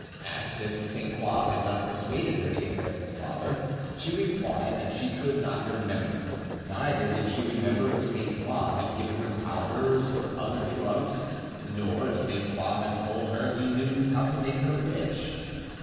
Asked if Sainte Croix had not persuaded her to get rid of her father, she replied that she could not remember; neither did she remember if Sainte Croix had given her powders or other drugs, nor if Sainte Croix had told her he knew how to make her rich.